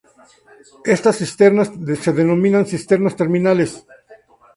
Estas cisternas se denominan cisternas terminales.